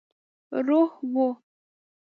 روح وو.